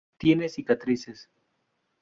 Tiene cicatrices.